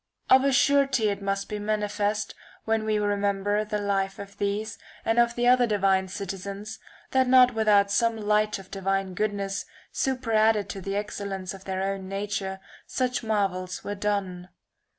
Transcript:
Of a surety it must be manifest, when we remember the life of these and of the other divine citizens, that not without some light of the divine goodness, superadded to the ex cellence of their own nature, such marvels [ii. were done.